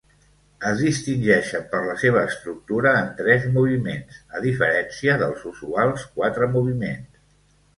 Es distingeixen per la seva estructura en tres moviments, a diferència dels usuals quatre moviments.